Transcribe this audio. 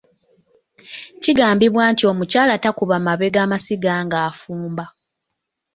Kigambibwa nti omukyala takuba mabega masiga ng'afumba.